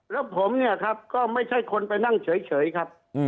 แล้วผมเนี่ยครับก็ไม่ใช่คนไปนั่งเฉยครับ